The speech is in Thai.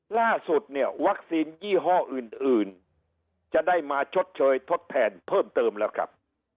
ล่าสุดเนี่ยวัคซีนยี่ห้ออื่นจะได้มาชดเชยทดแทนเพิ่มเติมแล้วครับ